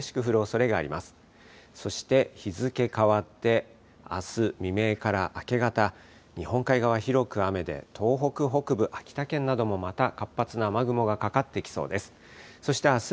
そして、日付変わって、あす未明から明け方、日本海側、広く雨で、東北北部、秋田県などもまた活発な雨雲がかかってきそうです。